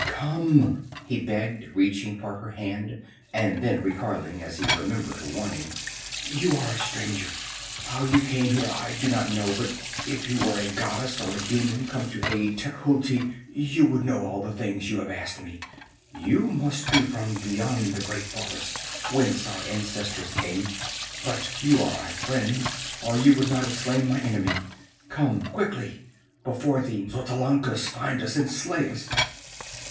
"Come!" he begged, reaching for her hand, and then recoiling as he remembered her warning, "You are a stranger. How you came here I do not know, but if you were a goddess or a demon, come to aid Tecuhltli, you would know all the things you have asked me. You must be from beyond the great forest, whence our ancestors came. But you are our friend, or you would not have slain my enemy. Come quickly, before the Xotalancas find us and slay us!"